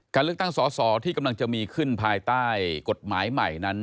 การเลือกตั้งสอสอที่กำลังจะมีขึ้นภายใต้กฎหมายใหม่นั้น